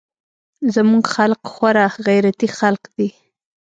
زموږ خلق خورا غيرتي خلق دي.